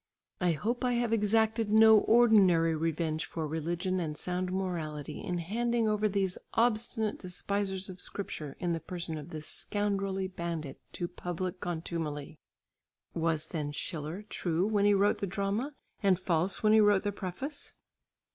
I hope I have exacted no ordinary revenge for religion and sound morality in handing over these obstinate despisers of Scripture in the person of this scoundrelly bandit, to public contumely. Was then Schiller true when he wrote the drama, and false when he wrote the preface?